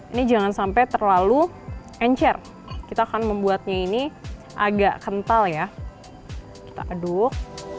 ini jangan sampai terlalu encer kita akan membuatnya ini agak kental ya kita aduk